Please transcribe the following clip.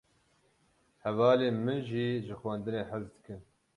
Hevalên min jî ji xwendinê hez dikin.